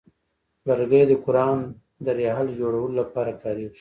لرګی د قران د رحل جوړولو لپاره کاریږي.